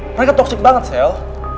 mereka toxic banget sel